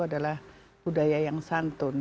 adalah budaya yang santun